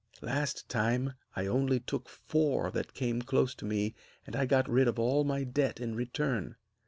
last time I only took four that came close to me, and I got rid of all my debt in return.